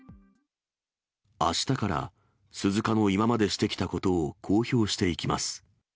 あしたから、鈴鹿の今までしてきたことを公表していきます。